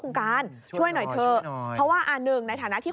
คุณการช่วยหน่อยเถอะเพราะว่าอ่าหนึ่งในฐานะที่